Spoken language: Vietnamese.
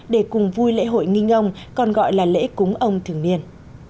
để cùng vui lễ hội nghinh ông còn gọi là lễ cúng ông thường niên